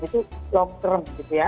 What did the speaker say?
itu long term gitu ya